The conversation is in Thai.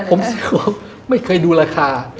ผมเป็นคนไม่เคยดูราคา